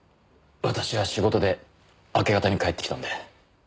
私は仕事で明け方に帰ってきたので。